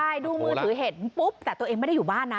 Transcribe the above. ใช่ดูมือถือเห็นปุ๊บแต่ตัวเองไม่ได้อยู่บ้านนะ